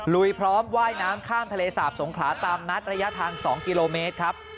ลุยพร้อมว่ายน้ำข้ามทะเลสาบสงขลาตามนัดระยะทาง๒กิโลเมตรครับ